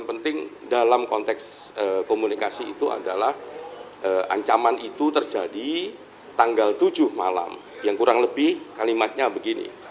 pembangunan ini diberikan oleh panggilan penjidik pariwisata polri